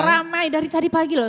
ramai dari tadi pagi loh